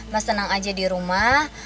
mas tenang aja di rumah